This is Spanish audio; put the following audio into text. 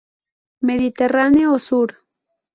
Mediterráneo Sur.